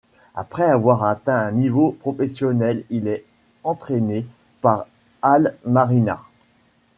Après avoir atteint un niveau professionnel, il est entraîné par Al Marinas.